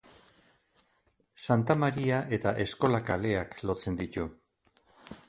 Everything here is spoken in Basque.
Santa Maria eta Eskola kaleak lotzen ditu.